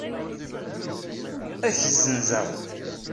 Ad k-ssenzeɣ!